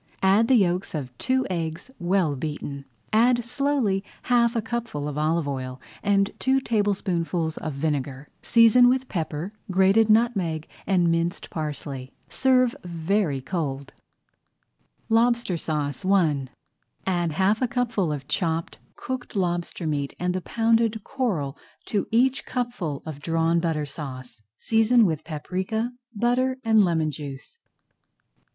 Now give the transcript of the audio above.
Add the yolks of two eggs, well beaten. Add slowly half a cupful of olive oil and two tablespoonfuls of vinegar. Season with pepper, grated nutmeg, and minced parsley. Serve very cold. LOBSTER SAUCE I Add half a cupful of chopped cooked lobster [Page 29] meat and the pounded coral to each cupful of Drawn Butter Sauce. Season with paprika, butter, and lemon juice.